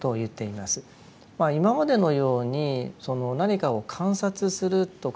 まあ今までのようにその何かを観察するとかですね